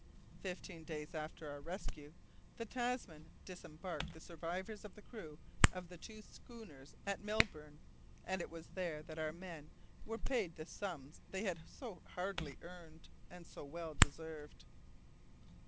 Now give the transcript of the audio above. Fifteen days after our rescue the Tasman disembarked the survivors of the crew of the two schooners at Melbourne, and it was there that our men were paid the sums they had so hardly earned, and so well deserved.